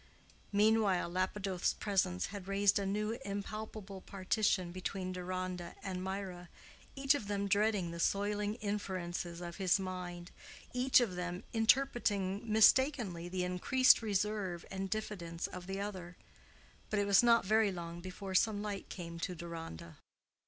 Meanwhile Lapidoth's presence had raised a new impalpable partition between Deronda and Mirah—each of them dreading the soiling inferences of his mind, each of them interpreting mistakenly the increased reserve and diffidence of the other. But it was not very long before some light came to Deronda.